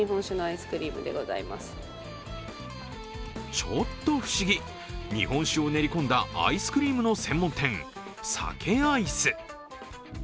ちょっと不思議、日本酒を練り込んだアイスクリームの専門店、ＳＡＫＥＩＣＥ。